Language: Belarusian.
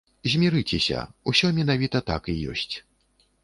Змірыцеся, усё менавіта так і ёсць.